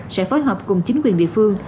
sẽ phối hợp cùng chính quyền địa phương